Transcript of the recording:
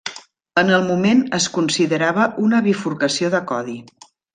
En el moment es considerava una bifurcació de codi.